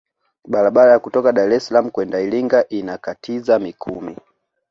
barabara ya kutoka dar es salaam kwenda iringa inakatiza mikumi